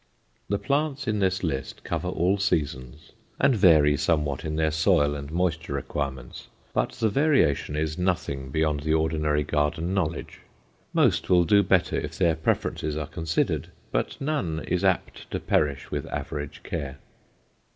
The plants in this list cover all seasons and vary somewhat in their soil and moisture requirements. But the variation is nothing beyond the ordinary garden knowledge. Most will do better if their preferences are considered, but none is apt to perish with average care.